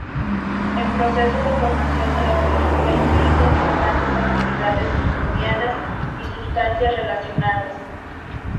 El proceso de formación de la película implica importantes actividades microbianas y sustancias relacionadas.